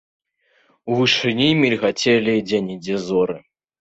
У вышыні мільгацелі дзе-нідзе зоры.